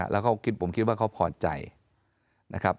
แล้วผมคิดว่าเขาพอใจนะครับ